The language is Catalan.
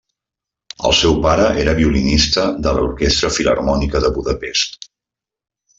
El seu pare era violinista de l'Orquestra Filharmònica de Budapest.